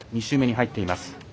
２周目に入っています。